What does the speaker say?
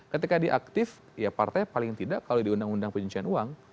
ketika diaktif ya partai paling tidak kalau diundang undang penyelidikan uang